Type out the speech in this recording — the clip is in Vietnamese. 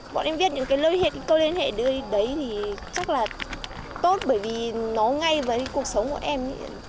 bọn em viết những câu liên hệ đấy thì chắc là tốt bởi vì nó ngay với cuộc sống bọn em